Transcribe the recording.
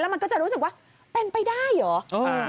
มันก็จะรู้สึกว่าเป็นไปได้เหรอ